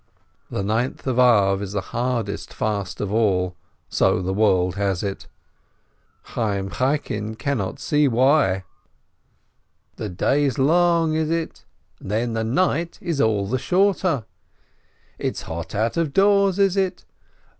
The Ninth of Ab is the hardest fast of all — so the world has it. Chayyim Chaikin cannot see why. The day is long, is it? Then the night is all the shorter. It's hot out of doors, is it?